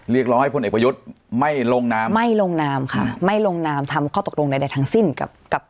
เรียกร้องให้ผู้นำเอกประยุทธ์ไม่ลงน้ำไม่ลงน้ำค่ะไม่ลงน้ำทำข้อตกลงในแดดทั้งสิ้นกับ